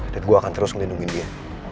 dan gue akan terus ngelindungi dia